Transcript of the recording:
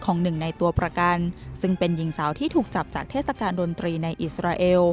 หนึ่งในตัวประกันซึ่งเป็นหญิงสาวที่ถูกจับจากเทศกาลดนตรีในอิสราเอล